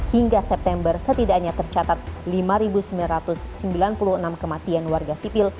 hingga september setidaknya tercatat lima sembilan ratus sembilan puluh enam kematian warga sipil